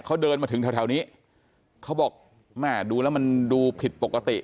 เขาเดินมาถึงแถวแถวนี้เขาบอกแม่ดูแล้วมันดูผิดปกติ